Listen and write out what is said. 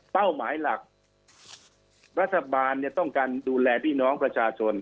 เป้าหมายหลักรัฐบาลต้องการดูแลพี่น้องประชาชน